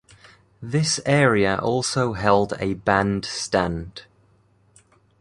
This area also held a band stand.